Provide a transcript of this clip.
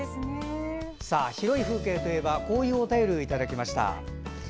広い風景といえばこういうお便りをいただきました。